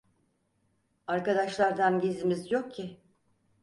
Arkadaşlardan gizlimiz yok ki...